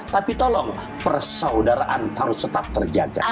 tapi tolong persaudaraan harus tetap terjajah